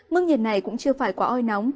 mức nhiệt này cũng chưa phải quá oi nóng